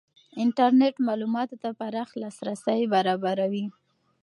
انټرنېټ معلوماتو ته پراخ لاسرسی برابروي.